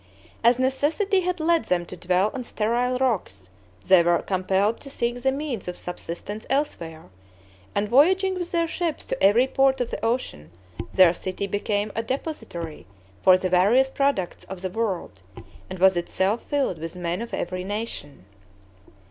As necessity had led them to dwell on sterile rocks, they were compelled to seek the means of subsistence elsewhere; and voyaging with their ships to every port of the ocean, their city became a depository for the various products of the world, and was itself filled with men of every nation.